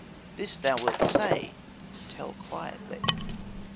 This that thou wilt say, tell quietly."